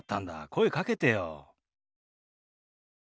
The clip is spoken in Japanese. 声かけてよ。